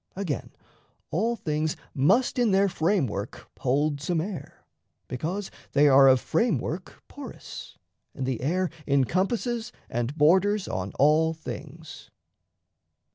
Again, all things Must in their framework hold some air, because They are of framework porous, and the air Encompasses and borders on all things.